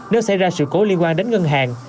nếu xảy ra sự cố liên quan đến ngân hàng